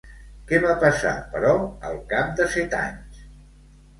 Què va passar, però, al cap de set anys?